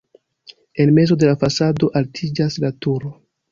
En mezo de la fasado altiĝas la turo.